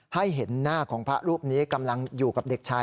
ให้เห็นหน้าของพระรูปนี้กำลังอยู่กับเด็กชาย